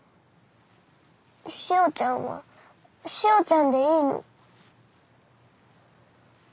しおちゃんはしおちゃんでいいの。